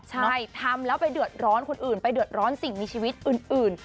ใช่ทำแล้วไปเดือดร้อนคนอื่นไปเดือดร้อนสิ่งมีชีวิตอื่น